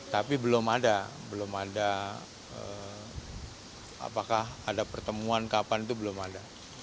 tapi belum ada belum ada apakah ada pertemuan kapan itu belum ada